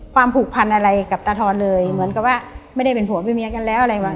ผูกพันอะไรกับตาทอนเลยเหมือนกับว่าไม่ได้เป็นผัวเป็นเมียกันแล้วอะไรหลัง